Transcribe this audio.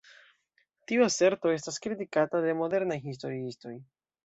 Tiu aserto estas kritikata de modernaj historiistoj.